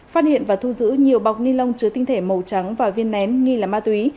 phát hiện và thu giữ nhiều bọc ni lông chứa tinh thể màu trắng và viên nén nghi là ma túy